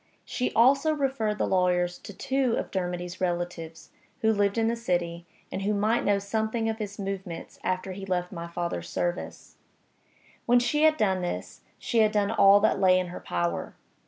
She also referred the lawyers to two of Dermody's relatives, who lived in the city, and who might know something of his movements after he left my father's service. When she had done this, she had done all that lay in her power.